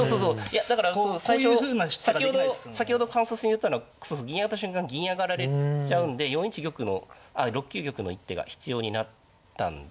いやだから最初先ほど感想戦言ったのはそうそう銀上がった瞬間銀上がられちゃうんで４一玉のあ６九玉の一手が必要になったんで。